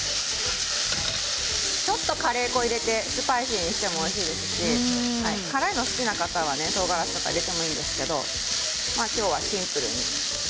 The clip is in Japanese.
ちょっとカレー粉を入れてスパイシーにしてもおいしいですし辛いのが好きな方はとうがらしとかを入れてもいいんですけれど今日はシンプルに。